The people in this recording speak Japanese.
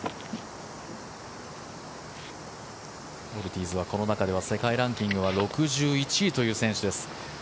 オルティーズはこの中では世界ランキングでは６１位という選手です。